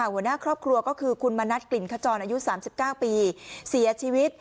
หัวหน้าครอบครัวก็คือคุณมณัฐกลิ่นขจรอายุ๓๙ปีเสียชีวิต